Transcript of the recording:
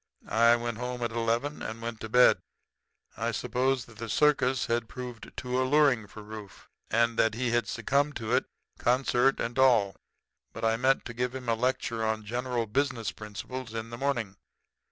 I went home at eleven and went to bed. I supposed that the circus had proved too alluring for Rufe, and that he had succumbed to it, concert and all; but I meant to give him a lecture on general business principles in the morning.